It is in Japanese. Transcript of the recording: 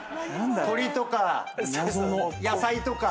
鶏とか野菜とか。